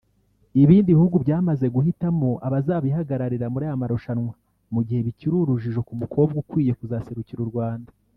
Ibindi bihugu byamaze guhitamo abazabihagararira muri aya marushanwa mu gihe bikiri urujijo ku mukobwa ukwiye kuzaserukira u Rwanda